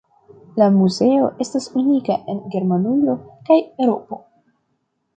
La muzeo estas unika en Germanujo kaj Eŭropo.